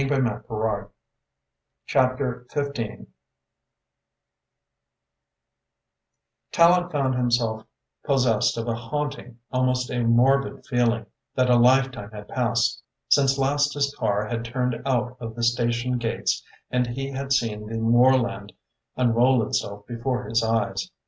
BOOK TWO CHAPTER I Tallente found himself possessed of a haunting, almost a morbid feeling that a lifetime had passed since last his car had turned out of the station gates and he had seen the moorland unroll itself before his eyes.